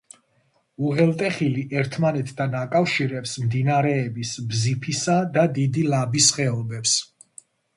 უღელტეხილი ერთმანეთთან აკავშირებს მდინარეების ბზიფისა და დიდი ლაბის ხეობებს.